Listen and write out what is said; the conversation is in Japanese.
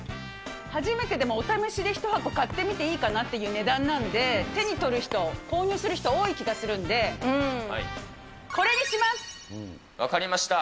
初めてでもお試しで１箱買ってみていいかなっていう値段なんで、手に取る人、購入する人、分かりました。